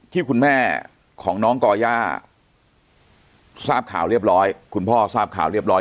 ที่คุณแม่ของน้องก่อย่าทราบข่าวเรียบร้อยคุณพ่อทราบข่าวเรียบร้อย